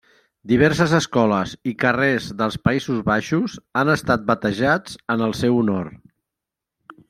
Diverses escoles i carrers dels Països Baixos han estat batejats en el seu honor.